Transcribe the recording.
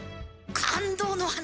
感動の話！